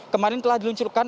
kemarin telah diluncurkan